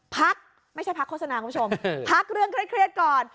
พักไม่ใช่พักโฆษณาคุณผู้ชมพักเรื่องเครียดก่อน